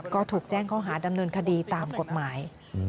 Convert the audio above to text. ก็ถูกแจ้งข้อหาดำเนินคดีตามกฎหมาย